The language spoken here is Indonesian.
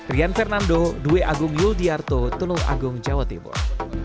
rian fernando dwi agung yuldiarto tulung agung jawa timur